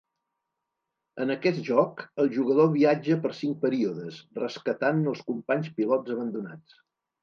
En aquest joc, el jugador viatja per cinc períodes, rescatant els companys pilots abandonats.